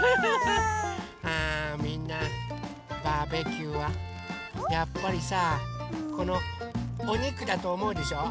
あみんなバーベキューはやっぱりさこのおにくだとおもうでしょう？